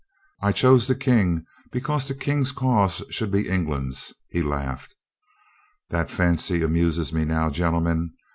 I chose the King, because the King's cause should be England's." He laughed. "That fancy amuses me now, gentlemen.